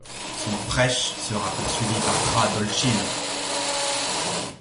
Son prêche sera poursuivi par Fra Dolcino.